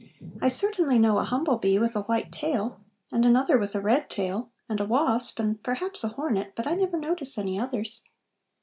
I certainly know a humble bee with a white tail and another with a red tail, and a wasp, and perhaps a hornet, but I never notice any others."